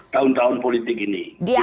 tahun tahun politik ini